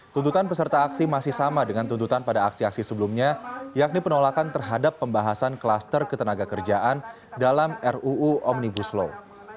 tuntutan peserta aksi masih sama dengan tuntutan pada aksi aksi sebelumnya yakni penolakan terhadap pembahasan kluster ketenaga kerjaan dalam ruu omnibus law